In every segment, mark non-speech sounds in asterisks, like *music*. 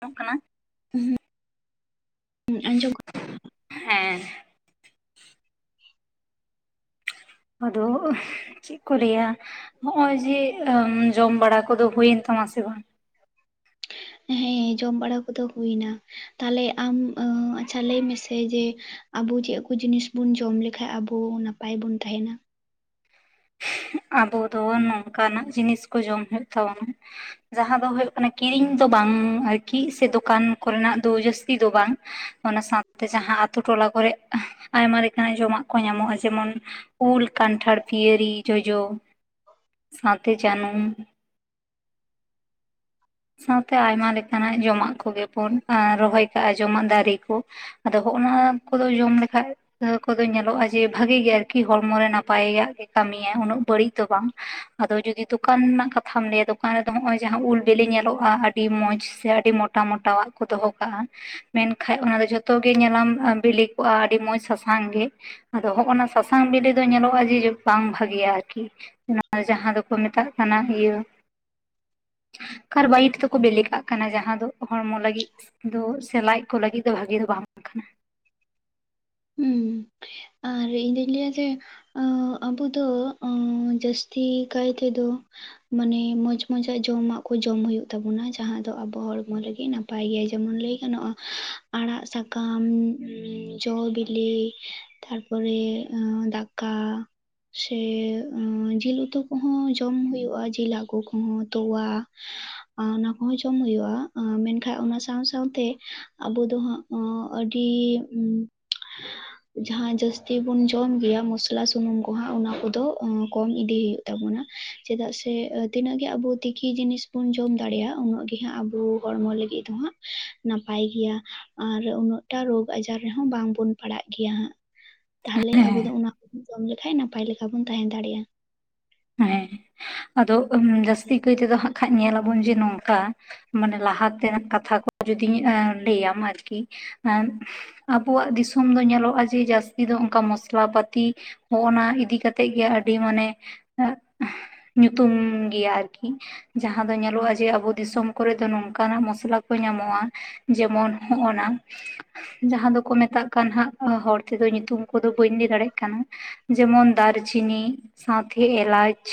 *unintelligible* ᱠᱟᱱᱟ ᱦᱩᱸ ᱦᱩᱸ ᱟᱸᱡᱚᱢ *unintelligible* ᱦᱮᱸ ᱟᱫᱚ ᱪᱮᱫ ᱠᱚ ᱞᱟᱹᱭᱟ ᱱᱚᱜᱼᱚᱭ ᱡᱮ ᱡᱚᱢ ᱵᱟᱲᱟ ᱠᱚᱫᱚ ᱦᱩᱭᱮᱱ ᱛᱟᱢᱟ ᱥᱮ ᱵᱟᱝ ᱦᱮᱸ ᱡᱚᱢ ᱵᱟᱲᱟ ᱠᱚᱫᱚ ᱦᱩᱭ ᱮᱱᱟ ᱛᱟᱦᱚᱞᱮ ᱟᱢ ᱟᱪᱪᱷᱟ ᱞᱟᱹᱭ ᱢᱮᱥᱮ ᱡᱮ ᱟᱵᱚ ᱪᱮᱫ ᱠᱚ ᱡᱤᱱᱤᱥ ᱵᱩᱱ ᱡᱚᱢ ᱞᱮᱠᱷᱟᱡ ᱟᱵᱚ ᱱᱟᱯᱟᱭ ᱵᱚᱱ ᱛᱟᱦᱮᱱᱟ ᱟᱵᱚ ᱫᱚ ᱱᱚᱝᱠᱟᱱᱟᱜ ᱡᱤᱱᱤᱥ ᱠᱚ ᱡᱚᱢ ᱦᱩᱭᱩᱜ ᱛᱟᱵᱚᱱᱟ ᱡᱟᱦᱟᱸ ᱫᱚ ᱦᱩᱭᱩᱜ ᱠᱟᱱᱟ ᱠᱤᱨᱤᱧ ᱫᱚ ᱵᱟᱝ ᱟᱨᱠᱤ ᱥᱮ ᱫᱚᱠᱟᱱ ᱠᱚᱨᱮᱱᱟᱜ ᱫᱚ ᱡᱟᱹᱥᱛᱤ ᱫᱚ ᱵᱟᱝ ᱚᱱᱟ ᱥᱟᱶᱛᱮ ᱡᱟᱦᱟᱸ ᱟᱛᱩ ᱴᱚᱞᱟ ᱠᱚᱨᱮ ᱟᱭᱢᱟ ᱞᱮᱠᱟᱱᱟᱜ ᱡᱚᱢᱟᱜ ᱠᱚ ᱧᱟᱢᱚᱜᱼᱟ ᱡᱮᱢᱚᱱ ᱩᱞ ᱠᱟᱱᱴᱷᱟᱲ ᱯᱤᱭᱟᱹᱨᱤ ᱡᱚᱡᱚ ᱥᱟᱶᱛᱮ ᱡᱟᱹᱱᱩᱢ ᱥᱟᱶᱛᱮ ᱟᱭᱢᱟ ᱞᱮᱠᱟᱱᱟᱜ ᱡᱚᱢᱟᱜ ᱠᱚᱜᱮᱵᱚᱱ ᱨᱚᱦᱚᱭ ᱠᱟᱜᱼᱟ ᱡᱚᱢᱟᱜ ᱫᱟᱨᱮ ᱠᱚ ᱟᱫᱚ ᱱᱚᱜᱼᱱᱟ ᱠᱚᱫᱚ ᱡᱚᱢ ᱞᱮᱠᱷᱟᱡ ᱠᱚᱫᱚ ᱧᱮᱞᱚᱜᱼᱟ ᱡᱮ ᱵᱷᱟᱜᱤ ᱜᱮ ᱟᱨᱠᱤ ᱦᱚᱲᱢᱚᱨ ᱨᱮ ᱱᱟᱯᱟᱭᱟᱜ ᱜᱮ ᱠᱟᱹᱢᱤᱭᱟ, ᱩᱱᱟᱹᱜ ᱵᱟᱹᱲᱤᱡ ᱫᱚ ᱵᱟᱝ᱾ ᱟᱫᱚ ᱡᱩᱫᱤ ᱫᱚᱠᱟᱱ ᱨᱮᱱᱟᱜ ᱠᱟᱛᱷᱟᱢ ᱞᱟᱹᱭᱟ, ᱫᱚᱠᱟᱱ ᱨᱮᱫᱚ ᱱᱚᱜ-ᱚᱭ ᱡᱟᱦᱟᱸ ᱩᱞ ᱵᱤᱞᱤ ᱧᱮᱞᱚᱜᱼᱟ ᱟᱹᱰᱤ ᱢᱚᱸᱪᱷ ᱥᱮ ᱟᱹᱰᱤ ᱢᱚᱴᱟ ᱢᱚᱴᱟᱣᱟᱜ ᱠᱚ ᱫᱚᱦᱚ ᱠᱟᱜᱼᱟ᱾ ᱢᱮᱱᱠᱟᱡ ᱚᱱᱟ ᱫᱚ ᱡᱷᱚᱛᱚ ᱜᱮ ᱧᱮᱞᱟᱢ ᱵᱤᱞᱤ ᱠᱚᱜᱼᱟ ᱟᱹᱰᱤ ᱢᱚᱸᱡᱽ ᱥᱟᱥᱟᱝ ᱜᱮ᱾ ᱟᱫᱚ ᱱᱚᱜᱼᱱᱟ ᱥᱟᱥᱟᱝ ᱵᱤᱞᱤ ᱫᱚ ᱧᱮᱞᱚᱜᱼᱟ ᱡᱮ ᱵᱟᱝ ᱵᱷᱟᱜᱮᱭᱟ ᱟᱨᱠᱤ᱾ ᱚᱱᱟ ᱡᱟᱦᱟᱸ ᱫᱚᱠᱚ ᱢᱮᱛᱟᱜ ᱠᱟᱱᱟ ᱤᱭᱟᱹ ᱠᱟᱨᱵᱟᱭᱤᱴ ᱛᱮᱠᱚ ᱵᱮᱞᱮᱠᱟᱜ ᱠᱟᱱᱟ, ᱡᱟᱦᱟᱸ ᱫᱚ ᱦᱚᱲᱢᱚ ᱞᱟᱹᱜᱤᱫ ᱫᱚ ᱥᱮ ᱞᱟᱡ ᱠᱚ ᱞᱟᱹᱜᱤᱫ ᱫᱚ ᱵᱷᱟᱜᱤ ᱫᱚ ᱵᱟᱝ ᱠᱟᱱᱟ᱾ ᱦᱩᱸ, ᱟᱨ ᱤᱧᱫᱚᱧ ᱞᱟᱹᱭᱟ ᱡᱮ ᱚ ᱟᱵᱚ ᱫᱚ ᱟᱹ ᱡᱟᱹᱥᱛᱤ ᱠᱟᱭ ᱛᱮᱫᱚ ᱢᱟᱱᱮ ᱢᱚᱸᱡᱽ ᱢᱚᱸᱡᱟᱜ ᱡᱚᱢᱟᱜ ᱠᱚ ᱡᱚᱢ ᱦᱩᱭᱩᱜ ᱛᱟᱵᱚᱱᱟ ᱡᱟᱦᱟᱸ ᱫᱚ ᱟᱵᱚ ᱦᱚᱲᱢᱚ ᱞᱟᱹᱜᱤᱫ ᱱᱟᱯᱼᱼ ᱯᱟᱭ ᱜᱮᱭᱟ ᱡᱮᱢᱚᱱ ᱞᱟᱹᱭ ᱜᱟᱱᱚᱜᱼᱟ, ᱟᱲᱟᱜ ᱥᱟᱠᱟᱢ ᱡᱚ ᱵᱤᱼᱼ ᱞᱤ ᱛᱟᱨᱯᱚᱨᱮ ᱫᱟᱠᱟ᱾ ᱥᱮ, ᱡᱤᱞ ᱩᱛᱩ ᱠᱚᱦᱚᱸ ᱡᱚᱢ ᱦᱩᱭᱩᱜᱼᱟ, ᱡᱤᱞ ᱦᱟᱜᱩ ᱠᱚᱦᱚᱸ ᱛᱚᱣᱟ ᱟᱺ ᱚᱱᱟ ᱠᱚᱦᱚᱸ ᱡᱚᱢ ᱦᱩᱭᱩᱜᱼᱟ ᱟᱺ ᱢᱮᱱᱠᱷᱟᱡ ᱚᱱᱟ ᱥᱟᱶ ᱥᱟᱶᱛᱮ ᱟᱵᱚ ᱫᱚ ᱦᱟᱸᱜ ᱚᱸ ᱟᱹᱰᱤ *inaudible* ᱡᱟᱦᱟᱸ ᱡᱟᱹᱥᱛᱤ ᱵᱩᱱ ᱡᱚᱢᱜᱮᱭᱟ ᱢᱚᱥᱞᱟ ᱥᱩᱱᱩᱢ ᱠᱚᱦᱟᱸᱜ ᱚᱱᱟ ᱠᱚᱫᱚ ᱠᱚᱢ ᱤᱫᱤ ᱦᱩᱭᱩᱜᱼᱼ ᱛᱟᱵᱚᱱᱟ ᱪᱮᱫᱟᱜ ᱥᱮ ᱛᱤᱱᱟᱹᱜ ᱜᱮ ᱟᱵᱚ ᱛᱤᱠᱤ ᱡᱤᱱᱤᱥ ᱵᱚᱱ ᱡᱚᱢ ᱫᱟᱲᱮᱜᱼᱟ ᱩᱱᱟᱹᱜ ᱜᱮ ᱦᱟᱸᱜ ᱟᱵᱚ ᱦᱚᱲᱢᱚ ᱞᱟᱹᱜᱤᱫ ᱫᱚᱦᱟᱸᱜ ᱱᱟᱯᱟᱭ ᱜᱮᱭᱟ, ᱟᱨ ᱩᱱᱟᱹᱜᱴᱟ ᱨᱳᱜᱽ ᱟᱡᱟᱨ ᱨᱮᱦᱚᱸ ᱵᱟᱝ ᱵᱚᱱ ᱯᱟᱲᱟᱜ ᱜᱮᱭᱟ ᱦᱟᱸᱜ ᱛᱟᱦᱚᱞᱮ ᱟᱵᱚ ᱦᱮᱸ ᱫᱚ ᱚᱱᱟ ᱠᱚᱵᱚᱱ ᱡᱚᱢ ᱞᱮᱠᱷᱟᱡ ᱱᱟᱯᱟᱭ ᱞᱮᱠᱟ ᱵᱚᱱ ᱛᱟᱦᱮᱸ ᱫᱟᱲᱮᱭᱟᱜᱼᱟ᱾ ᱦᱮᱸ, ᱟᱫᱚ ᱡᱟᱹᱥᱛᱤ ᱠᱟᱹᱭ ᱛᱮᱫᱚ ᱦᱟᱸᱜ ᱠᱷᱟᱡ ᱧᱮᱞᱟᱵᱚᱱ ᱡᱮ ᱱᱚᱝᱠᱟ ᱢᱟᱱᱮ ᱞᱟᱦᱟ ᱛᱮᱱᱟᱜ ᱠᱟᱛᱷᱟ ᱠᱚ ᱡᱩᱫᱤ ᱞᱟᱹᱭᱟᱢ ᱟᱨᱠᱤ ᱮᱸ ᱟᱵᱚᱣᱟᱜ ᱫᱤᱥᱚᱢ ᱫᱚ ᱧᱮᱞᱚᱜᱼᱟ ᱡᱮ ᱡᱟᱹᱥᱛᱤ ᱫᱚ ᱚᱱᱠᱟ ᱢᱚᱥᱞᱟ ᱯᱟᱹᱛᱤ ᱱᱚᱜᱼ ᱱᱟ ᱤᱫᱤ ᱠᱟᱛᱮᱜ ᱜᱮ ᱟᱹᱰᱤ ᱢᱟᱱᱮ ᱮᱜ, ᱧᱩᱛᱩᱢ ᱜᱮᱭᱟ ᱟᱨᱠᱤ, ᱡᱟᱦᱟᱸ ᱫᱚ ᱧᱮᱞᱚᱜᱼᱟ ᱡᱮ ᱟᱵᱚ ᱫᱤᱥᱚᱢ ᱠᱚᱨᱮ ᱫᱚ ᱱᱚᱝᱠᱟ ᱱᱟᱜ ᱢᱚᱥᱞᱟ ᱠᱚ ᱧᱟᱢᱚᱜᱼᱟ᱾ ᱡᱮᱢᱚᱱ ᱱᱚᱜᱼ ᱱᱟ᱾ ᱡᱟᱦᱟᱸ ᱫᱚᱠᱚ ᱢᱮᱛᱟᱜ ᱠᱟᱱ ᱦᱟᱸᱜ ᱦᱚᱲ ᱛᱮᱫᱚ ᱧᱩᱛᱩᱢ ᱠᱚᱫᱚ ᱵᱟᱹᱧ ᱞᱟᱹᱭ ᱫᱟᱲᱮᱜ ᱠᱟᱱᱟ᱾ ᱡᱮᱢᱚᱱ ᱫᱟᱨᱪᱤᱱᱤ, ᱥᱟᱶᱛᱮ ᱮᱞᱟᱪᱷ,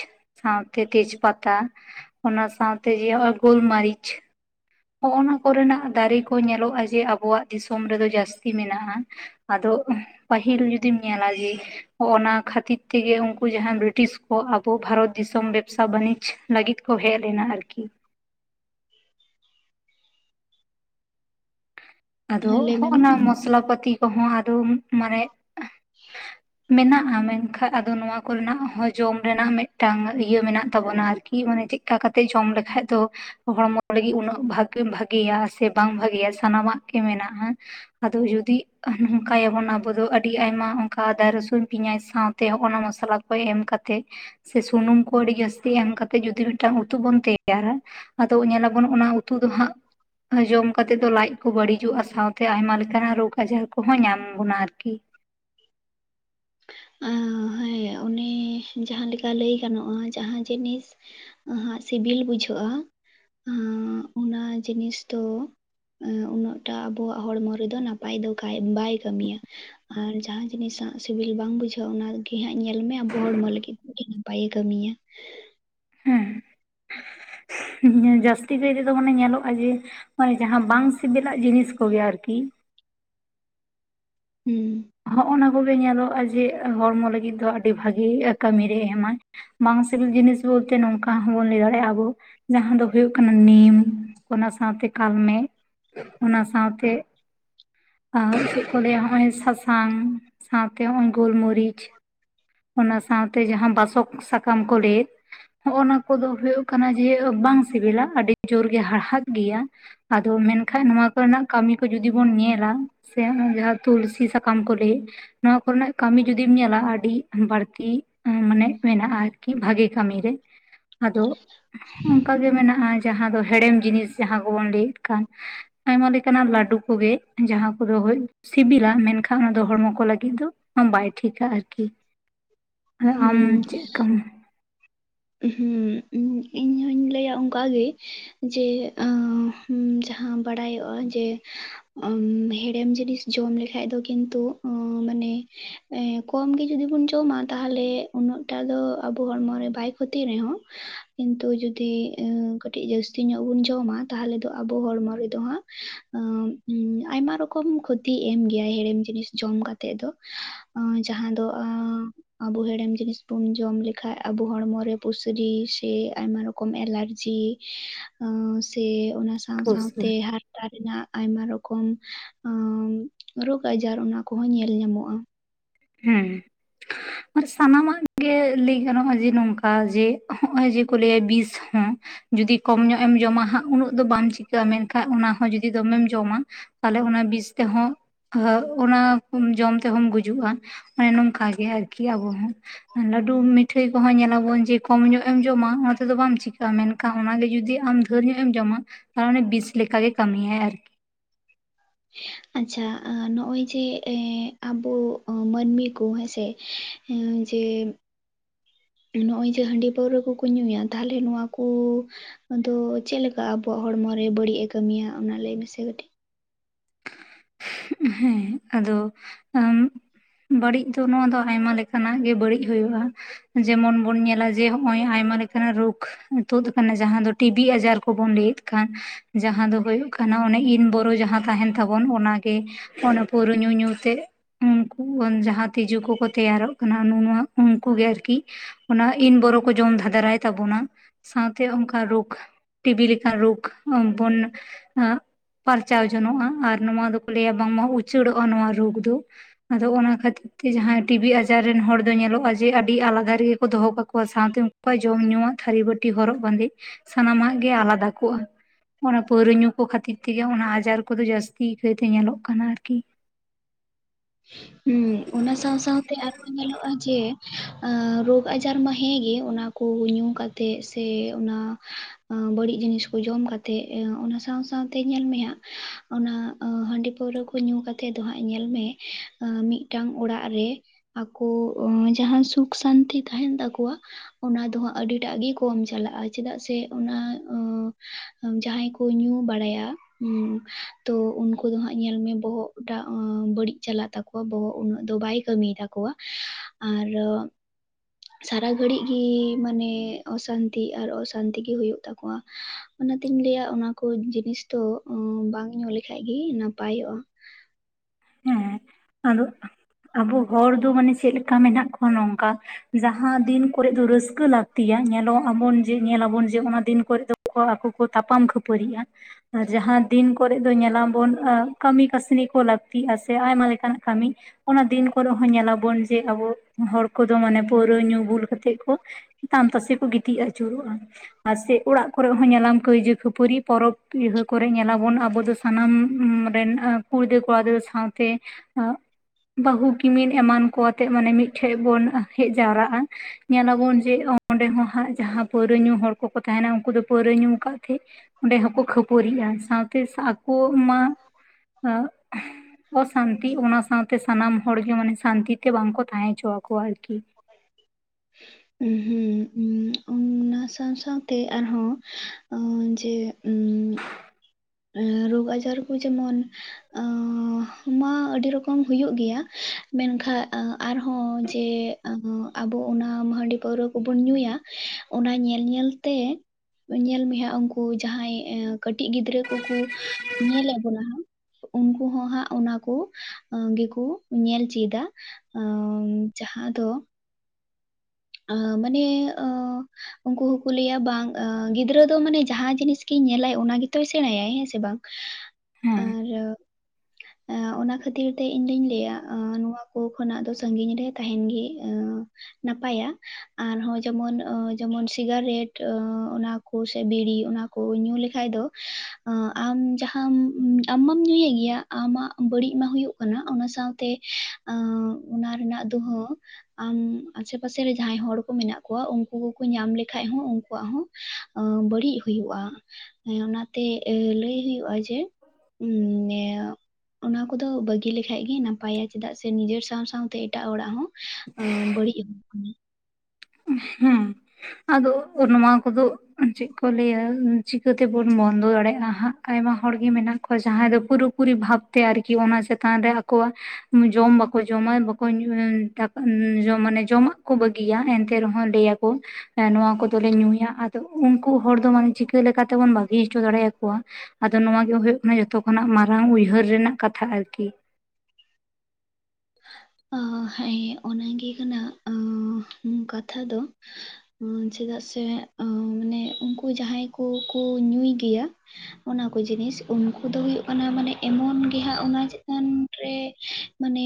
ᱥᱟᱶᱛᱮ ᱛᱮᱡᱽ ᱯᱟᱛᱟ, ᱚᱱᱟ ᱥᱟᱶᱛᱮ ᱡᱮ ᱚ ᱜᱳᱞᱢᱟᱹᱨᱤᱪᱷ᱾ ᱱᱚᱜ ᱱᱟ ᱠᱚᱨᱮᱱᱟᱜ ᱫᱟᱨᱮ ᱠᱚ ᱧᱮᱞᱚᱜᱼᱟ ᱡᱮ ᱟᱵᱚᱣᱟᱜ ᱫᱤᱥᱚᱢ ᱨᱮᱫᱚ ᱡᱟᱹᱥᱛᱤ ᱢᱮᱱᱟᱜᱼᱟ᱾ ᱟᱫᱚ ᱯᱟᱹᱦᱤᱞ ᱡᱩᱫᱤᱢ ᱧᱮᱞᱟ ᱡᱮ, ᱚᱱᱟ ᱠᱷᱟᱹᱛᱤᱨ ᱛᱮᱜᱮ ᱩᱱᱠᱩ ᱡᱟᱦᱟᱸᱭ ᱵᱨᱤᱴᱤᱥ ᱠᱚ ᱟᱵᱚ ᱵᱷᱟᱨᱚᱛ ᱫᱤᱥᱚᱢ ᱵᱮᱵᱽᱥᱟ ᱵᱟᱱᱤᱡᱽ ᱞᱟᱹᱜᱤᱫ ᱠᱚ ᱦᱮᱡ ᱞᱮᱱᱟ ᱟᱨᱠᱤ᱾ ᱟᱫᱚ ᱦᱮᱸ ᱞᱟᱹᱭ ᱢᱮ ᱱᱚᱸᱜᱼ ᱢᱟ ᱱᱟ ᱢᱚᱥᱞᱟ ᱯᱟᱹᱛᱤ ᱠᱚᱦᱚᱸ ᱟᱫᱚ ᱢᱟᱱᱮᱜ ᱢᱮᱱᱟᱜᱼᱟ ᱢᱮᱱᱠᱟᱱ ᱟᱫᱚ ᱱᱚᱣᱟ ᱠᱚᱨᱮᱱᱟᱜ ᱦᱚᱸ ᱡᱚᱢ ᱨᱮᱱᱟᱜ ᱢᱤᱫᱴᱟᱝ ᱤᱭᱟᱹ ᱢᱮᱱᱟᱜ ᱛᱟᱵᱚᱱᱟ ᱟᱨᱠᱤ ᱢᱟᱱᱮ ᱪᱮᱫᱼᱼ ᱮᱠᱟ ᱠᱟᱛᱮᱜ ᱡᱚᱢ ᱞᱮᱠᱷᱟᱡ ᱫᱚ ᱦᱚᱲᱢᱚ ᱞᱟᱹᱜᱤᱫ ᱩᱱᱟᱹᱜ ᱵᱷᱟᱜᱤ ᱵᱷᱟᱜᱮᱭᱟ ᱥᱮ ᱵᱟᱝ ᱵᱷᱟᱜᱮᱭᱟ ᱥᱟᱱᱟᱢᱟᱜ ᱠᱤ ᱢᱮᱱᱟᱜᱼᱟ᱾ ᱟᱫᱚ ᱡᱚᱫᱤ ᱱᱚᱝᱠᱟᱭᱟᱵᱚᱱ ᱟᱵᱚ ᱫᱚ ᱟᱹᱰᱤ ᱟᱭᱢᱟ ᱚᱱᱠᱟ ᱟᱫᱟ ᱨᱟᱥᱩᱱ ᱯᱮᱸᱭᱟᱡᱽ ᱥᱟᱶᱛᱮ ᱱᱚᱜ ᱱᱟ ᱢᱚᱥᱞᱟ *unintelligible* ᱮᱢ ᱠᱟᱛᱮᱫ ᱥᱮ ᱥᱩᱱᱩᱢ ᱠᱚ ᱟᱹᱰᱤ ᱡᱟᱹᱥᱛᱤ ᱮᱢ ᱠᱟᱛᱮᱫ ᱡᱩᱫᱤ ᱢᱤᱫᱴᱟᱝ ᱩᱛᱩ ᱵᱚᱱ ᱛᱮᱭᱟᱨᱟ, ᱟᱫᱚ ᱧᱮᱞᱟᱵᱚᱱ ᱚᱱᱟ ᱩᱛᱩ ᱫᱚ ᱦᱟᱸᱜ ᱡᱚᱢ ᱠᱟᱛᱮᱜ ᱫᱚ ᱞᱟᱡ ᱠᱚ ᱵᱟᱹᱲᱤᱡᱚᱜᱼᱟ ᱥᱟᱶᱛᱮ ᱟᱭᱢᱟ ᱞᱮᱠᱟᱱᱟᱜ ᱨᱳᱜᱽ ᱟᱡᱟᱨ ᱠᱚᱦᱚᱸ ᱧᱟᱢ ᱵᱚᱱᱟ ᱟᱨᱠᱤ᱾ ᱟᱺ ᱦᱮᱸ, ᱩᱱᱤ ᱡᱟᱦᱟᱸ ᱞᱮᱠᱟ ᱞᱟᱹᱭ ᱜᱟᱱᱚᱜᱼᱟ ᱡᱟᱦᱟᱸ ᱡᱤᱱᱤᱥ ᱟᱹᱦᱟᱸᱜ ᱥᱤᱵᱤᱞ ᱵᱩᱡᱷᱟᱹᱜᱼᱟ ᱚᱱᱟ ᱡᱤᱱᱤᱥ ᱫᱚ ᱩᱱᱟᱹᱜᱴᱟ ᱟᱵᱚᱣᱟᱜ ᱦᱚᱲᱢᱚ ᱨᱮᱫᱚ ᱱᱟᱯᱟᱭ ᱫᱚ ᱵᱟᱭ ᱠᱟᱹᱢᱤᱭᱟ᱾ ᱟᱨ ᱡᱟᱦᱟᱸ ᱡᱤᱱᱤᱥ ᱦᱟᱸᱜ ᱥᱤᱵᱤᱞ ᱵᱟᱝ ᱵᱩᱡᱼᱼ ᱡᱷᱟᱹᱣ ᱚᱱᱟᱨᱮᱜᱮ ᱦᱟᱸᱜ ᱧᱮᱞ ᱢᱮ ᱟᱵᱚ ᱦᱚᱲᱢᱚ ᱞᱟᱹᱜᱤᱫ ᱛᱮ ᱟᱹᱰᱤ ᱱᱟᱯᱟᱭᱮ ᱠᱟᱹᱢᱤᱭᱟ᱾ ᱦᱩᱸ, ᱡᱟᱹᱥᱛᱤ ᱠᱟᱹᱭ ᱛᱮᱫᱚ ᱢᱟᱱᱮ ᱧᱮᱞᱚᱜᱼᱟ ᱡᱮ ᱦᱳᱭ ᱡᱟᱦᱟᱸ ᱵᱟᱝ ᱥᱤᱵᱤᱞᱟᱜ ᱡᱤᱱᱤᱥ ᱠᱚᱜᱮ ᱟᱨᱠᱤ᱾ ᱦᱩᱸ ᱦᱚᱜᱼ ᱱᱟ ᱠᱚᱜᱮ ᱧᱮᱞᱚᱜᱼᱟ ᱡᱮ ᱦᱚᱲᱢᱚ ᱞᱟᱹᱜᱤᱫ ᱫᱚ ᱟᱹᱰᱤ ᱵᱷᱟᱜᱤ ᱠᱟᱹᱢᱤᱨᱮ ᱮᱢᱟᱭ ᱵᱟᱝ ᱥᱤᱵᱤᱞ ᱡᱤᱱᱤᱥ ᱵᱚᱞᱛᱮ ᱱᱚᱝᱠᱟ ᱦᱚᱸᱵᱚᱱ ᱞᱟᱹᱭ ᱫᱟᱲᱮᱭᱟᱜᱼᱟ ᱟᱵᱚ ᱡᱟᱦᱟᱸ ᱫᱚ ᱦᱩᱭᱩᱜ ᱠᱟᱱᱟ ᱱᱤᱢ ᱚᱱᱟ ᱥᱟᱶᱛᱮ ᱠᱟᱞᱢᱮᱜ ᱚᱱᱟ ᱥᱟᱶᱛᱮ ᱟᱨ ᱪᱮᱫ ᱠᱚ ᱦᱚᱸᱜᱼᱚᱭ ᱥᱟ ᱠᱟᱝ ᱥᱟᱶᱛᱮ ᱱᱚᱜᱼᱚᱭ ᱜᱳᱞᱢᱚᱨᱤᱪ ᱚᱱᱟ ᱥᱟᱶᱛᱮ ᱡᱟᱦᱟᱸ ᱵᱟᱥᱚᱠ ᱥᱟᱠᱟᱢ ᱠᱚ ᱞᱟᱹᱭᱮᱫ ᱦᱚᱜᱱᱟ ᱚᱱᱚᱠᱚ ᱫᱚ ᱦᱩᱭᱩᱜ ᱠᱟᱱᱟ ᱡᱮ ᱵᱟᱝ ᱥᱤᱵᱤᱞᱟ ᱟᱹᱰᱤ ᱡᱳᱨ ᱜᱮ ᱦᱟᱲᱦᱟᱫ ᱜᱮᱭᱟ ᱟᱫᱚ ᱢᱮᱱᱠᱷᱟᱱ ᱱᱚᱣᱟ ᱠᱚᱨᱮᱱᱟᱜ ᱠᱟᱹᱢᱤ ᱠᱚ ᱡᱩᱚᱫᱤ ᱵᱚᱱ ᱧᱮᱞᱟ ᱥᱮ ᱡᱟᱦᱟᱸ ᱛᱩᱞᱥᱤ ᱥᱟᱠᱼᱼ ᱠᱟᱢ ᱠᱚ ᱞᱟᱹᱭᱮᱫ ᱱᱚᱣᱟ ᱠᱚᱨᱮᱱᱟᱜ ᱠᱟᱹᱢᱤ ᱡᱩᱫᱤᱢ ᱧᱮᱞᱟ ᱟᱹᱰᱤ ᱵᱟᱹᱲᱛᱤ ᱢᱟᱱᱮ ᱢᱮᱱᱟᱜᱼᱟ ᱟᱨᱠᱤ ᱵᱷᱟᱜᱤ ᱠᱟᱹᱢᱤ ᱨᱮ ᱟᱫᱚ ᱚᱱᱠᱟᱜᱮ ᱢᱮᱱᱟᱜᱼᱟ ᱡᱟᱦᱟᱸ ᱫᱚ ᱦᱮᱲᱮᱢ ᱡᱤᱱᱤᱥ ᱡᱟᱦᱟᱸ ᱠᱚᱵᱚᱱ ᱞᱟᱹᱭᱮᱫ ᱠᱟᱱ ᱟᱭᱢᱟ ᱞᱮᱠᱟᱱᱟᱜ ᱞᱟᱹᱰᱩ ᱠᱚᱜᱮ ᱡᱟᱦᱟᱸ ᱠᱚᱫᱚ ᱥᱤᱵᱤᱞᱟ ᱢᱮᱱᱠᱷᱟᱱ ᱠᱷᱟᱱ ᱚᱱᱟ ᱫᱚ ᱦᱚᱲᱢᱚ ᱠᱚ ᱞᱟᱹᱜᱤᱫ ᱫᱚ ᱵᱟᱭ ᱴᱷᱤᱠᱟ ᱟᱨᱠᱤ ᱟᱢ ᱦᱩᱸ ᱪᱮᱫᱠᱟᱢ ᱦᱸᱮ ᱤᱧ ᱦᱚᱧ ᱞᱟᱹᱭᱟ ᱚᱱᱠᱟᱜᱤ ᱡᱮ ᱚᱸ ᱡᱟᱦᱟᱸ ᱵᱟᱲᱟᱭᱚᱜᱼᱟ ᱡᱮ ᱩ ᱦᱮᱲᱮᱢ ᱡᱤᱱᱤᱥ ᱡᱚᱢ ᱞᱮᱠᱷᱟᱡ ᱫᱚ ᱚ ᱠᱤᱱᱛᱩ ᱢᱟᱱᱮ ᱠᱚᱢ ᱜᱮ ᱡᱩᱫᱤ ᱵᱚᱱ ᱡᱚᱢᱟ ᱛᱟᱦᱚᱞᱮ ᱩᱱᱟᱹᱜ ᱴᱟ ᱫᱚ ᱟᱵᱚ ᱦᱚᱲᱢᱚ ᱵᱟᱭ ᱠᱷᱚᱛᱤ ᱨᱮᱦᱚᱸ ᱠᱤᱱᱛᱩ ᱡᱩᱫᱤ ᱠᱟᱹᱴᱤᱡ ᱡᱟᱹᱥᱛᱤ ᱧᱚᱜ ᱵᱚᱱ ᱡᱚᱢᱟ ᱛᱟᱦᱚᱞᱮ ᱫᱚ ᱟᱵᱚ ᱦᱚᱲᱢᱚ ᱨᱮᱫᱚ ᱦᱟᱸᱜ ᱟᱭᱢᱟ ᱨᱚᱠᱚᱢ ᱠᱷᱚᱛᱤ ᱮᱢ ᱜᱮᱭᱟ ᱦᱮᱲᱮᱢ ᱡᱤᱱᱤᱥ ᱡᱚᱢ ᱠᱟᱛᱮᱜ ᱫᱚ ᱡᱟᱦᱟᱸ ᱫᱚ ᱚᱸᱻ ᱟᱵᱚ ᱦᱮᱲᱮᱢ ᱡᱤᱱᱤᱥ ᱵᱩᱱ ᱡᱚᱢ ᱞᱮᱠᱟᱱ ᱟᱵᱚ ᱦᱚᱲᱢᱚ ᱨᱮ ᱯᱩᱥᱨᱤ ᱥᱮ ᱟᱭᱢᱟ ᱨᱚᱠᱚᱢ ᱮᱞᱟᱨᱡᱤ ᱚᱸ ᱥᱮ ᱚᱱᱟ ᱥᱟᱶ ᱥᱟᱶ ᱛᱮ ᱠᱩᱥᱤᱭᱟᱜᱼᱟ ᱟᱨ ᱟᱜ ᱨᱮᱱᱟᱜ ᱟᱭᱢᱟ ᱨᱚᱠᱚᱢ ᱚᱸ ᱨᱳᱜᱽ ᱟᱡᱟᱨ ᱚᱱᱟ ᱠᱚᱦᱚᱸ ᱧᱮᱞ ᱧᱟᱢᱚᱜᱼᱟ ᱾ ᱦᱮᱸ ᱟᱨ ᱥᱟᱱᱟᱢᱟᱜ ᱜᱮ ᱞᱟᱹᱭ ᱜᱟᱱᱚᱜᱼᱟ ᱡᱮ ᱱᱚᱝᱠᱟ ᱡᱮ ᱦᱚᱜ ᱚᱭ ᱡᱮ ᱠᱚ ᱞᱟᱹᱭᱟ ᱵᱤᱥ ᱦᱚᱸ ᱡᱩᱫᱤ ᱠᱚᱢ ᱧᱚᱜ ᱮᱢ ᱡᱚᱢᱟ ᱦᱟᱸᱜ ᱩᱱᱟᱹᱜ ᱫᱚ ᱵᱟᱢ ᱪᱤᱠᱟᱹᱜᱼᱟ ᱢᱮᱱᱠᱷᱟᱱ ᱚᱱᱟ ᱦᱚᱸ ᱡᱩᱚᱫᱤ ᱫᱚᱢᱮᱢ ᱡᱚᱢᱟ ᱛᱟᱦᱞᱮ ᱚᱱᱟ ᱵᱤᱥ ᱛᱮᱦᱚᱸ ᱚᱱᱟ ᱡᱚᱢ ᱛᱮᱦᱚᱢ ᱜᱩᱡᱩᱜᱼᱟ ᱾ ᱚᱱᱮ ᱱᱚᱝᱠᱟ ᱜᱮ ᱟᱨᱠᱤ ᱟᱵᱚ ᱦᱚᱸ ᱞᱟᱹᱰᱩ ᱢᱤᱴᱷᱟᱹᱭ ᱠᱚᱦᱚᱸ ᱧᱮᱞᱟᱵᱚᱱ ᱡᱮ ᱠᱚᱢ ᱧᱚᱜ ᱮᱢ ᱡᱚᱢᱟ ᱚᱱᱟ ᱛᱮᱫᱚ ᱵᱟᱢ ᱪᱤᱠᱟᱹᱜᱼᱟ ᱢᱮᱱᱠᱷᱟᱱ ᱠᱟᱱ ᱚᱱᱟᱜᱮ ᱡᱩᱫᱤ ᱟᱢ ᱰᱷᱮᱨ ᱧᱚᱜ ᱮᱢ ᱡᱚᱢᱟ ᱛᱟᱦᱟᱞᱮ ᱵᱤᱥ ᱞᱮᱠ ᱜᱮᱭ ᱠᱟᱹᱢᱤᱭᱟ ᱟᱨᱠᱤ *inaudible* ᱟᱪᱪᱷᱟ ᱱᱚᱜᱼᱚᱭ ᱡᱮ ᱟᱵᱚ ᱢᱟᱹᱱᱢᱤ ᱠᱚ ᱦᱮᱸᱥᱮ ᱡᱮᱻ *inaudible* ᱱᱚᱜ ᱚᱭ ᱡᱮ ᱦᱟᱺᱰᱤ ᱯᱟᱹᱣᱨᱟᱹ ᱠᱚᱠᱚ ᱧᱩᱭᱟ ᱛᱟᱦᱚᱞᱮ ᱱᱚᱣᱟ ᱠᱚ ᱟᱫᱚ ᱪᱮᱫᱞᱮᱠᱟ ᱟᱵᱚᱣᱟᱜ ᱦᱚᱲᱢᱚᱨᱮ ᱵᱟᱹᱲᱤᱡ ᱮ ᱠᱟᱹᱢᱤᱭᱟ ᱚᱱᱟ ᱞᱟᱹᱭ ᱢᱮᱥᱮ ᱠᱟᱹᱴᱤᱡ ᱦᱮᱸ ᱟᱫᱚ ᱟᱢ ᱵᱟᱹᱲᱤᱡ ᱫᱚ ᱱᱚᱣᱟ ᱫᱚ ᱟᱭᱢᱟ ᱞᱮᱠᱟᱱᱟᱜ ᱜᱮ ᱵᱟᱹᱲᱤᱡ ᱦᱳᱭᱳᱜᱼᱟ ᱾ ᱡᱮᱢᱚᱱ ᱵᱚᱱ ᱧᱮᱞᱟ ᱡᱮ ᱱᱚᱜ-ᱚᱭ ᱟᱭᱢᱟ ᱞᱮᱠᱟᱱᱟᱜ ᱨᱳᱠ ᱛᱩᱫ ᱟᱠᱟᱱᱟ ᱡᱟᱦᱟᱸ ᱫᱚ ᱴᱤᱵᱤ ᱟᱡᱟᱨ ᱠᱚᱵᱚᱱ ᱞᱟᱹᱭᱮᱫ ᱠᱟᱱ ᱡᱟᱦᱟᱸ ᱫᱚ ᱦᱩᱭᱩᱜ ᱠᱟᱱᱟ ᱚᱱᱮ ᱤᱱᱵᱳᱨᱳ ᱡᱟᱦᱟᱸ ᱛᱟᱦᱮᱱ ᱛᱟᱵᱚᱱ ᱚᱱᱟᱜᱮ ᱚᱱᱟ ᱯᱟᱹᱣᱨᱟᱹ ᱧᱩ ᱧᱩ ᱛᱮ ᱩᱱᱠᱩ ᱡᱟᱦᱟᱸ ᱛᱤᱡᱩ ᱠᱚᱠᱚ ᱛᱮᱭᱟᱨᱚᱜ ᱠᱟᱱᱟ ᱱᱚᱣᱟ ᱩᱱᱠᱩ ᱜᱮ ᱟᱨᱠᱤ ᱚᱱᱟ ᱤᱱ ᱵᱚᱨᱚ ᱠᱚ ᱡᱚᱢ ᱫᱷᱟᱫᱨᱟᱭ ᱛᱟᱵᱚᱱᱟ ᱥᱟᱶᱛᱮ ᱚᱱᱠᱟ ᱨᱳᱜᱽ ᱴᱤᱵᱤ ᱞᱮᱠᱟᱱ ᱨᱳᱜᱽ ᱵᱚᱱ ᱯᱟᱨᱪᱟᱣ ᱡᱚᱱᱚᱜ-ᱟ ᱟᱨ ᱱᱚᱣᱟ ᱫᱚᱠᱚ ᱞᱟᱹᱭᱟ ᱵᱟᱝᱢᱟ ᱩᱪᱟᱹᱲᱚᱜ-ᱟ ᱱᱚᱣᱟ ᱨᱳᱜ ᱫᱚ ᱟᱫᱚ ᱚᱱᱟ ᱠᱷᱟᱹᱛᱤᱨ ᱡᱟᱦᱟᱸᱭ ᱴᱤᱵᱷᱤ ᱟᱡᱟᱨ ᱨᱮᱱ ᱦᱚᱲ ᱫᱚ ᱧᱮᱞᱚᱜ-ᱟ ᱡᱮ ᱟᱹᱰᱤ ᱟᱞᱟᱫᱟ ᱨᱮᱜᱮ ᱠᱚ ᱫᱚᱦᱚ ᱠᱟᱠᱚᱣᱟ ᱥᱟᱶᱛᱮ ᱚᱠᱚ ᱡᱚᱢ ᱧᱩᱣᱟᱜ ᱛᱷᱟᱹᱨᱤ ᱵᱟᱹᱴᱤ ᱦᱚᱨᱚᱜ ᱵᱟᱸᱫᱮ ᱥᱟᱱᱟᱢᱟᱜ ᱜᱮ ᱟᱞᱟᱫᱟ ᱠᱚᱜ-ᱟ ᱾ ᱚᱱᱟ ᱯᱟᱹᱣᱨᱟᱹ ᱧᱩ ᱠᱚ ᱠᱷᱟᱹᱛᱤᱨ ᱛᱮᱜᱮ ᱚᱱᱟ ᱟᱡᱟᱨ ᱠᱚᱫᱚ ᱡᱟᱹᱥᱛᱤ ᱤᱠᱟᱹᱛᱮ ᱧᱮᱞᱚᱜ ᱠᱟᱱᱟ ᱟᱨᱠᱤ ᱦᱩᱸ ᱚᱱᱟ ᱥᱟᱶ ᱥᱟᱶᱛᱮ ᱟᱨᱦᱚᱸ ᱧᱮᱞᱚᱜ-ᱟ ᱡᱮ ᱨᱳᱜ ᱟᱡᱟᱨ ᱢᱟ ᱦᱮᱸᱜᱮ ᱚᱱᱟ ᱠᱚ ᱧᱩ ᱠᱟᱛᱮᱜ ᱥᱮ ᱚᱱᱟ ᱵᱟᱹᱲᱤᱡ ᱡᱤᱱᱤᱥ ᱠᱚ ᱡᱚᱢ ᱠᱟᱛᱮ ᱚᱱᱟ ᱥᱟᱶ ᱥᱟᱶ ᱥᱟᱶᱛᱮ ᱧᱮᱞ ᱢᱮ ᱦᱟᱸᱜ ᱚᱱᱟ ᱦᱟᱺᱰᱤ ᱯᱟᱹᱣᱨᱟᱹ ᱠᱚ ᱧᱩ ᱠᱟᱛᱮᱫ ᱫᱚ ᱦᱟᱸᱜ ᱧᱮᱞ ᱢᱮ ᱢᱤᱫᱴᱟᱝ ᱚᱲᱟᱜ ᱨᱮ ᱟᱠᱚ ᱡᱟᱦᱟᱸ ᱥᱩᱠ ᱥᱟᱱᱛᱤ ᱛᱟᱦᱮᱱ ᱛᱟᱠᱚᱣᱟ ᱚᱱᱟ ᱫᱚᱦᱚᱸ ᱟᱹᱰᱤᱴᱟᱜ ᱜᱮ ᱠᱚᱢ ᱪᱟᱞᱟᱜ-ᱟ ᱪᱮᱫᱟᱜ ᱥᱮ ᱚᱱᱟ ᱡᱟᱦᱟᱸᱭ ᱠᱚ ᱧᱩ ᱵᱟᱲᱟᱭᱟ ᱛᱚ ᱩᱱᱠᱩ ᱫᱚ ᱦᱟᱸᱜ ᱧᱮᱞᱢᱮ ᱵᱚᱦᱚᱜᱴᱟᱜ ᱵᱟᱹᱲᱤᱡ ᱪᱟᱞᱟᱜ ᱛᱟᱠᱚᱣᱟ ᱵᱚᱦᱚᱜ ᱩᱱᱟᱹᱜ ᱫᱚ ᱵᱟᱭ ᱠᱟᱹᱢᱤᱭ ᱛᱟᱠᱚᱣᱟ ᱟᱨ ᱥᱟᱨᱟ ᱜᱷᱟᱹᱲᱤᱡ ᱜᱮ ᱢᱟᱱᱮ ᱚᱥᱟᱱᱛᱤ ᱟᱨ ᱚᱥᱟᱱᱛᱤ ᱜᱮ ᱦᱩᱭᱩᱜ ᱛᱟᱠᱚᱣᱟ ᱚᱱᱟᱛᱮᱧ ᱞᱟᱹᱭᱟ ᱚᱱᱟ ᱠᱚ ᱡᱤᱱᱤᱥ ᱫᱚ ᱵᱟᱝ ᱧᱩ ᱞᱮᱠᱷᱟᱡ ᱜᱮ ᱱᱟᱯᱟᱭᱚᱜ-ᱟ ᱦᱮᱸ ᱟᱫᱚ ᱟᱵᱚ ᱦᱚᱲ ᱫᱚ ᱢᱟᱱᱮ ᱪᱮᱫ ᱞᱮᱠᱟ ᱢᱮᱱᱟᱜ ᱠᱚᱣᱟ ᱱᱚᱝᱠᱟ ᱡᱟᱦᱟᱸ ᱫᱤᱱ ᱠᱚᱨᱮ ᱫᱚ ᱨᱟᱹᱥᱠᱟᱹ ᱞᱟᱹᱠᱛᱤᱭᱟ ᱧᱮᱞᱚᱜ ᱟᱵᱚᱱ ᱡᱮ ᱧᱮᱞᱟᱵᱚᱱ ᱡᱮ ᱚᱱᱟ ᱫᱤᱱ ᱠᱚᱨᱮ ᱫᱚ ᱟᱠᱚ ᱠᱚ ᱛᱟᱯᱟᱢ ᱠᱷᱟᱹᱯᱟᱹᱨᱤᱜ-ᱟ ᱟᱨ ᱡᱟᱦᱟᱸ ᱫᱤᱱ ᱠᱚᱨᱮ ᱫᱚ ᱧᱮᱞᱟᱵᱚᱱ ᱠᱟᱹᱢᱤ ᱠᱟᱹᱥᱱᱤ ᱠᱚ ᱞᱟᱹᱠ ᱛᱤᱜ-ᱟ ᱥᱮ ᱟᱭᱢᱟ ᱞᱮᱠᱟᱱᱟᱜ ᱠᱟᱹᱢᱤ ᱚᱱᱟ ᱫᱤᱱ ᱠᱚᱨᱮ ᱦᱚᱸ ᱧᱮᱞᱟᱵᱚᱱ ᱡᱮ ᱟᱵᱚ ᱦᱚᱲ ᱠᱚᱫᱚ ᱢᱟᱱᱮ ᱯᱟᱹᱣᱨᱟᱹ ᱧᱩ ᱵᱩᱞ ᱠᱟ ᱠᱟᱛᱮᱜ ᱠᱚ ᱛᱟᱢ ᱛᱟᱥᱮ ᱠᱚ ᱜᱤᱛᱤᱡ ᱟᱹᱪᱩᱨᱚᱜ-ᱟ ᱟᱨ ᱥᱮ ᱚᱲᱟᱜ ᱠᱚᱨᱮᱜ ᱦᱚᱸ ᱧᱮᱞᱟᱢ ᱠᱟᱹᱭᱡᱟᱹ ᱠᱷᱟᱹᱯᱟᱹᱨᱤ ᱯᱚᱨᱚᱵ ᱦᱟᱹ ᱠᱚᱨᱮᱜ ᱧᱮᱞᱟᱵᱚᱱ ᱟᱵᱚ ᱥᱟᱱᱟᱢ ᱨᱮᱱ ᱠᱩᱲᱤ ᱜᱤᱫᱽᱨᱟᱹ ᱠᱚᱲᱟ ᱜᱤᱫᱽᱨᱟᱹ ᱥᱟᱶᱛᱮ ᱵᱟᱹᱦᱩ ᱠᱤᱢᱤᱱ ᱮᱢᱟᱱ ᱠᱚ ᱟᱛᱮᱜ ᱢᱟᱱᱮ ᱢᱤᱫᱴᱷᱮᱡ ᱵᱚᱱ ᱦᱮᱡ ᱡᱟᱣᱨᱟᱜ-ᱟ ᱧᱮᱞᱟᱵᱚᱱ ᱡᱮ ᱚᱸᱰᱮ ᱦᱚᱸ ᱦᱟᱸᱜ ᱡᱟᱦᱟᱸ ᱯᱟᱹᱣᱨᱟᱹ ᱧᱩ ᱦᱚᱲ ᱠᱚᱠᱚ ᱛᱟᱦᱮᱱᱟ ᱩᱱᱠᱩ ᱫᱚ ᱯᱟᱹᱣᱨᱟᱹ ᱧᱩ ᱟᱠᱟᱫ ᱛᱟᱦᱮᱸ ᱚᱸᱰᱮ ᱦᱚᱸᱠᱚ ᱠᱷᱟᱹᱯᱟᱹᱨᱤᱜ-ᱟ ᱥᱟᱶᱛᱮ ᱟᱠᱚ ᱢᱟ ᱚᱥᱟᱱᱛᱤ ᱚᱱᱟ ᱥᱟᱶᱛᱮ ᱥᱟᱱᱟᱢ ᱦᱚᱲᱜᱮ ᱢᱟᱱᱮ ᱥᱟᱱᱛᱤ ᱛᱮ ᱵᱟᱝᱠᱚ ᱛᱟᱦᱮᱸ ᱦᱚᱪᱚ ᱟᱠᱚᱣᱟ ᱟᱨᱠᱤ ᱦᱩᱸ ᱚᱱᱟ ᱥᱟᱶ ᱥᱟᱶᱛᱮ ᱟᱨᱦᱚᱸ ᱡᱮ ᱨᱳᱜ ᱟᱡᱟᱨ ᱠᱚ ᱡᱮᱢᱚᱱ ᱟᱸᱻ ᱢᱟ ᱟᱹᱰᱤ ᱨᱚᱠᱚᱢ ᱦᱩᱭᱩᱜ ᱜᱮᱭᱟ ᱢᱮᱱᱠᱷᱟᱱ ᱟᱨᱦᱚᱸ ᱡᱮ ᱟᱵᱚ ᱚᱱᱟ ᱦᱟᱺᱰᱤ ᱯᱟᱹᱣᱨᱟᱹ ᱠᱚᱵᱚᱱ ᱧᱩᱭᱟ ᱚᱱᱟ ᱧᱮᱞ ᱧᱮᱞ ᱛᱮ ᱧᱮᱞ ᱢᱮᱦ ᱩᱱᱠᱩ ᱡᱟᱦᱟᱸᱭ ᱠᱟᱹᱴᱤᱡ ᱜᱤᱫᱽᱨᱟᱹ ᱠᱚᱠᱚ ᱧᱮᱞᱮᱫ ᱵᱚᱱᱟ ᱩᱱᱠᱩ ᱦᱚᱸ ᱦᱟᱸᱜ ᱚᱱᱟᱠᱩ ᱜᱮᱠᱚ ᱧᱮᱞ ᱪᱮᱫᱟ ᱟ ᱡᱟᱦᱟᱸ ᱫᱚ ᱟ ᱢᱟᱱᱮ ᱟ ᱩᱱᱠᱩ ᱦᱚᱸᱠᱚ ᱞᱟᱹᱭᱟ ᱵᱟᱝ ᱜᱤᱫᱨᱟᱹ ᱫᱚ ᱢᱟᱱᱮ ᱡᱟᱦᱟᱸ ᱡᱤᱱᱤᱥ ᱜᱮ ᱧᱮᱞᱟᱭ ᱚᱱᱟ ᱜᱮᱛᱚᱭ ᱥᱮᱬᱟᱭ ᱦᱮᱸ ᱥᱮ ᱵᱟᱝ ᱦᱮᱸ ᱟᱨ *inaudible* ᱚᱱᱟ ᱠᱷᱟᱹᱛᱤᱨ ᱛᱮ ᱤᱧᱫᱩᱧ ᱞᱟᱹᱭᱟ ᱱᱚᱣᱟ ᱠᱚ ᱠᱷᱚᱱᱟᱜ ᱫᱚ ᱥᱟᱹᱜᱤᱧ ᱨᱮ ᱛᱟᱦᱮᱱ ᱜᱮ ᱱᱟᱯᱟᱭᱟ ᱟᱨᱦᱚᱸ ᱡᱮᱢᱚᱱ ᱡᱮᱢᱚᱱ ᱥᱤᱜᱟᱨᱮᱴ ᱚᱱᱟᱠᱚ ᱥᱮ ᱵᱤᱲᱤ ᱚᱱᱟᱠᱚ ᱧᱩ ᱞᱮᱠᱷᱟᱡ ᱫᱚ ᱟᱢ ᱡᱟᱦᱟᱸ ᱟᱢ ᱢᱟᱢ ᱧᱩᱭ ᱜᱮᱭᱟ ᱟᱢᱟᱜ ᱵᱟᱹᱲᱤᱡ ᱢᱟ ᱦᱩᱭᱩᱜ ᱚᱱᱟ ᱚᱱᱟ ᱥᱟᱶᱛᱮ ᱚᱸ ᱚᱱᱟ ᱨᱮᱱᱟᱜ ᱫᱩᱦᱟᱹ ᱟᱢ ᱟᱥᱮ ᱯᱟᱥᱮ ᱥᱮ ᱨᱮ ᱡᱟᱦᱟᱸᱭ ᱦᱚᱲ ᱠᱚ ᱢᱮᱱᱟᱜ ᱠᱚᱣᱟ ᱩᱝᱠᱩ ᱠᱚᱠᱚ ᱧᱟᱢ ᱞᱮᱠᱷᱟᱡ ᱦᱚᱸ ᱩᱝᱠᱩᱣᱟᱜ ᱦᱚᱸ ᱵᱟᱹᱲᱤᱡ ᱦᱩᱭᱩᱜᱼᱟ ᱚᱱᱟᱛᱮ ᱮ ᱞᱟᱹᱭ ᱦᱩᱭᱩᱜ ᱡᱮ ᱮᱸ ᱚᱱᱟ ᱠᱚᱫᱚ ᱵᱟᱹᱜᱤ ᱞᱮᱠ ᱠᱷᱟᱡ ᱜᱮ ᱱᱟᱯᱟᱭᱟ ᱪᱮᱫᱟᱜ ᱥᱮ ᱱᱤᱡᱮᱨ ᱥᱟᱶ ᱥᱟᱶᱶᱛᱮ ᱮᱴᱟᱜ ᱦᱚᱲᱟᱜ ᱦᱚᱸ ᱮᱸ ᱵᱟᱹᱲᱤᱡ ᱦᱚᱭᱩᱜ ᱠᱟᱱᱟ᱾ ᱦᱩᱸ ᱟᱫᱚ ᱱᱚᱣᱟ ᱠᱚᱫᱚ ᱪᱮᱜ ᱠᱚ ᱞᱟᱹᱭᱟ ᱪᱤᱠᱟᱹᱛᱮᱵᱚᱱ ᱵᱚᱱᱫᱚ ᱫᱟᱲᱮᱜᱼᱟ ᱦᱟᱸᱜ ᱟᱭᱢᱟ ᱦᱚᱲᱜᱮ ᱢᱮᱱᱟᱜ ᱠᱚᱣᱟ ᱡᱟᱦᱟᱸᱭ ᱫᱚ ᱯᱩᱨᱩ ᱯᱩᱨᱤ ᱵᱷᱟᱵ ᱛᱮ ᱟᱨᱠᱤ ᱚᱱᱟ ᱪᱮᱛᱟᱱ ᱨᱮ ᱟᱠᱚᱣᱟᱜ ᱡᱚᱢ ᱵᱟᱠᱚ ᱡᱚᱢᱟ ᱵᱟᱠᱚᱟ ᱢᱟᱱᱮ ᱡᱚᱢᱟᱜ ᱠᱚ ᱵᱟᱹᱜᱤᱭᱟ ᱮᱱᱛᱮ ᱛᱮ ᱨᱮᱦᱚᱸ ᱞᱟᱹᱭᱟᱠᱚ ᱮᱸ ᱱᱚᱣᱟ ᱠᱚᱫᱚᱞᱮ ᱧᱩᱭᱟ᱾ ᱛᱚ ᱩᱜᱠᱩ ᱦᱚᱲ ᱫᱚ ᱢᱟᱱᱮ ᱪᱤᱠᱟᱹ ᱞᱮᱠᱟᱛᱮᱵᱚᱱ ᱵᱟᱹᱜᱤ ᱦᱚᱪᱚ ᱫᱟᱲᱮᱭᱟᱠᱚᱣᱟ? ᱟᱫᱚ ᱱᱚᱣᱟ ᱜᱮ ᱦᱳᱭᱳᱜ ᱠᱟᱱᱟ ᱡᱚᱛᱚ ᱠᱷᱚᱱᱟᱜ ᱢᱟᱨᱟᱝ ᱩᱭᱦᱟᱹᱨ ᱨᱮᱱᱟᱜ ᱠᱟᱛᱷᱟ ᱟᱨᱠᱤ᱾ ᱚ ᱦᱮᱸ ᱚᱱᱟᱜᱮ ᱠᱟᱱᱟ ᱚᱸ ᱠᱟᱛᱷᱟ ᱫᱚ᱾ ᱪᱮᱫᱟᱜ ᱥᱮ ᱚᱸ ᱢᱟᱱᱮ ᱩᱝᱠᱩ ᱡᱟᱦᱟᱸᱭ ᱠᱚᱠᱚ ᱧᱩᱭ ᱜᱮᱭᱟ᱾ ᱚᱱᱟ ᱠᱚ ᱡᱤᱱᱤᱥ ᱩᱱᱠᱩ ᱫᱚ ᱦᱩᱭᱩᱜ ᱠᱟᱱᱟ ᱢᱟᱱᱮ ᱮᱢᱚᱱ ᱜᱮᱦᱟᱸᱜ ᱚᱱᱟ ᱪᱮᱛᱟᱱ ᱨᱮ ᱢᱟᱱᱮ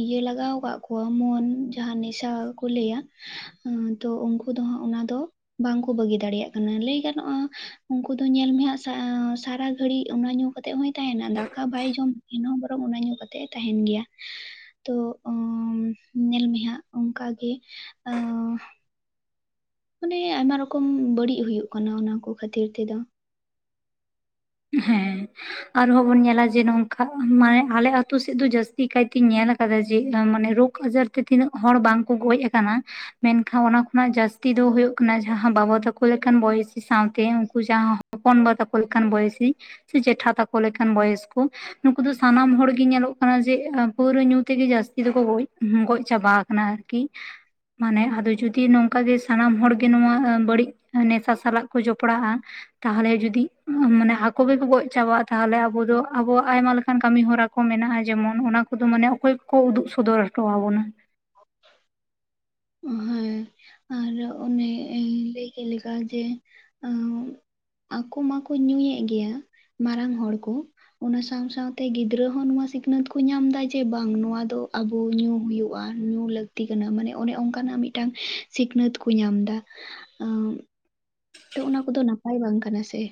ᱤᱭᱟᱹ ᱞᱟᱜᱟᱣ ᱠᱟᱜ ᱠᱚᱣᱟ ᱮᱢᱚᱱ ᱡᱟᱦᱟᱸ ᱱᱮᱥᱟ ᱠᱚ ᱞᱟᱹᱭᱟ᱾ ᱛᱚ ᱩᱱᱠᱩ ᱫᱚ ᱦᱟᱸᱜ ᱚᱱᱟ ᱫᱚ ᱵᱟᱝᱠᱩ ᱵᱟᱹᱜᱤ ᱫᱟᱲᱮᱭᱟᱜ ᱠᱟᱱᱟ ᱞᱟᱹᱭ ᱜᱟᱱᱚᱜᱼᱟ ᱩᱱᱠᱩ ᱫᱚ ᱧᱮᱞ ᱢᱮ ᱦᱟᱸᱜ ᱥᱟ ᱥᱟᱨᱟ ᱜᱷᱟᱹᱲᱤᱜ ᱚᱱᱟ ᱧᱩ ᱠᱟᱛᱮᱜ ᱦᱚᱸᱭ ᱛᱟᱦᱮᱱᱟ ᱫᱟᱠᱟ ᱵᱟᱭ ᱡᱚᱢ ᱮᱱᱦᱚᱸ ᱵᱚᱨᱚᱝ ᱚᱱᱟ ᱧᱩ ᱠᱟᱛᱮᱜ ᱛᱟᱦᱮᱱ ᱜᱮᱭᱟ᱾ ᱛᱚ ᱚᱸ ᱧᱮᱞ ᱢᱮ ᱦᱟᱸᱜ ᱚᱱᱠᱟᱜᱮ ᱚᱸ ᱢᱟᱱᱮ ᱟᱭᱢᱟ ᱨᱚᱠᱚᱢ ᱵᱟᱹᱲᱤᱜ ᱦᱩᱭᱩᱜ ᱠᱟᱱᱟ ᱚᱱᱟ ᱠᱚ ᱠᱷᱟᱹᱛᱤᱨ ᱛᱮᱫᱚ᱾ ᱦᱮᱸ ᱟᱨᱦᱚᱸ ᱵᱚᱱ ᱧᱮᱞᱟ ᱡᱮ ᱱᱚᱝᱠᱟ ᱢᱟᱱᱮ ᱟᱞᱮ ᱟᱛᱩ ᱥᱮᱫ ᱫᱚ ᱡᱟᱹᱥᱛᱤ ᱠᱟᱭᱛᱮᱧ ᱧᱮᱞ ᱟᱠᱟᱫᱟ ᱡᱮ ᱢᱟᱱᱮ ᱨᱳᱜᱽ ᱟᱡᱟᱨ ᱛᱮ ᱛᱤᱱᱟᱹᱜ ᱦᱚᱲ ᱵᱟᱝᱠᱚ ᱜᱚᱡ ᱟᱠᱟᱱᱟ ᱢᱮᱱᱠᱷᱟᱱ ᱚᱱᱟ ᱠᱷᱚᱱᱟᱜ ᱡᱟᱹᱥᱛᱤ ᱫᱚ ᱦᱟᱭᱳᱜ ᱠᱟᱱᱟ ᱡᱟᱦᱟᱸ ᱵᱟᱵᱟᱚ ᱛᱟᱠᱚ ᱞᱮᱠᱟᱱ ᱵᱚᱭᱮᱥ ᱥᱟᱶᱛᱮ ᱩᱝᱠᱩ ᱡᱟᱦᱟᱸ ᱦᱚᱯᱚᱱᱵᱟ ᱛᱟᱠᱚ ᱞᱮᱠᱟᱱ ᱵᱚᱭᱮᱥᱤ ᱥᱮ ᱡᱮᱴᱷᱟ ᱛᱟᱠᱚ ᱞᱮᱠᱟᱱ ᱵᱚᱭᱚᱥ ᱠᱚ ᱱᱩᱠᱩ ᱫᱚ ᱥᱟᱱᱟᱢ ᱦᱚᱲᱜᱮ ᱧᱮᱞᱚᱜ ᱠᱟᱱᱟ ᱡᱮ ᱯᱟᱹᱣᱨᱟᱹ ᱧᱩ ᱛᱮᱜᱮ ᱡᱟᱹᱥᱛᱤ ᱫᱚᱠᱚ ᱜᱚᱡ ᱜᱚᱡ ᱪᱟᱵᱟᱣ ᱠᱟᱱᱟ᱾ ᱠᱤ ᱢᱟᱱᱮ ᱟᱫᱚ ᱡᱩᱫᱤ ᱱᱚᱝᱠᱟ ᱜᱮ ᱥᱟᱱᱟᱢ ᱦᱚᱲ ᱜᱮ ᱱᱚᱣᱟ ᱵᱟᱹᱲᱤᱡ ᱱᱮᱥᱟ ᱥᱟᱞᱟᱜ ᱠᱚ ᱡᱚᱯᱲᱟᱜᱼᱟ ᱛᱟᱦᱞᱮ ᱡᱩᱫᱤ ᱢᱟᱱᱮ ᱠᱚᱜᱮ ᱠᱚ ᱜᱚᱡ ᱪᱟᱵᱟᱜᱼᱟ ᱛᱟᱦᱞᱮ ᱟᱵᱚ ᱫᱚ ᱟᱵᱚᱣᱟᱜ ᱟᱭᱢᱟ ᱞᱮᱠᱟᱱ ᱠᱟᱹᱢᱤ ᱦᱚᱨᱟ ᱠᱚ ᱢᱮᱱᱟᱜᱼᱟ ᱡᱮᱢᱚᱱ ᱚᱱᱟ ᱠᱚᱫᱚ ᱢᱟᱱᱮ ᱚᱠᱚᱭ ᱠᱚ ᱩᱫᱩᱜ ᱥᱚᱫᱚᱨ ᱦᱚᱴᱚᱣ ᱟᱵᱚᱱᱟ? ᱦᱮᱸ *unintelligible* ᱟᱨ ᱚᱱᱮ ᱞᱟᱹᱭ ᱮᱸ ᱠᱮᱜ ᱞᱮᱠᱟ ᱡᱮ ᱟᱸ ᱟᱠᱚ ᱢᱟᱠᱚ ᱧᱩᱭᱮᱫ ᱜᱮᱭᱟ ᱢᱟᱨᱟᱝ ᱦᱚᱲ ᱠᱚ᱾ ᱚᱱᱟ ᱥᱟᱶ ᱥᱟᱶᱛᱮ ᱜᱤᱫᱽᱨᱟᱹ ᱦᱚᱸ ᱱᱚᱣᱟ ᱥᱤᱠᱷᱱᱟᱹᱛ ᱠᱚ ᱧᱟᱢᱫᱟ ᱡᱮ ᱵᱟᱝ ᱱᱚᱣᱟ ᱫᱚ ᱟᱵᱚ ᱧᱩ ᱦᱩᱭᱩᱜᱼᱟ ᱧᱩ ᱞᱟᱹᱠᱛᱤ ᱠᱟᱱᱟ ᱢᱟᱱᱮ ᱚᱱᱮ ᱚᱝᱠᱟᱱᱟᱜ ᱢᱤᱫᱴᱟᱱ ᱥᱤᱠᱷᱱᱟᱹᱛ ᱠᱚ ᱧᱟᱢᱫᱟ᱾ ᱟᱸ ᱛᱚ ᱚᱱᱟ ᱠᱚᱫᱚ ᱱᱟᱯᱟᱭ ᱵᱟᱝ ᱠᱟᱱᱟ ᱥᱮ᱾